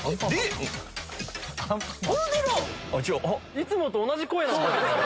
いつもと同じ声なんだよ。